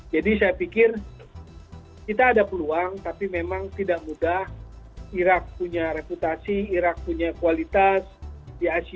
jadi saya pikir kita ada peluang tapi memang tidak mudah irak punya reputasi irak punya kualitas di asia